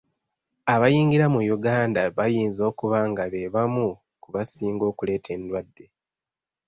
Abayingira mu Uganda bayinza okuba nga be bamu ku basinga okuleeta endwadde.